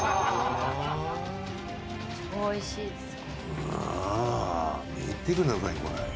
うわっ見てくださいこれ。